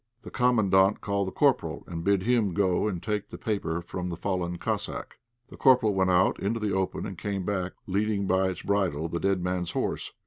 The Commandant called the corporal, and bid him go and take the paper from the fallen Cossack. The corporal went out into the open, and came back leading by its bridle the dead man's horse.